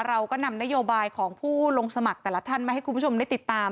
เราก็นำนโยบายของผู้ลงสมัครแต่ละท่านมาให้คุณผู้ชมได้ติดตาม